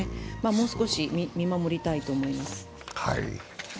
もう少し見守りたいと思います。